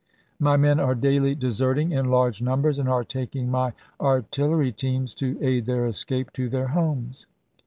My men are daily deserting in large numbers, and are taking my artillery teams to aid their escape to their homes.